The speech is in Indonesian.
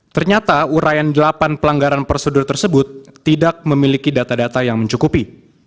ternyata urayan delapan pelanggaran prosedur tersebut tidak memiliki data data yang mencukupi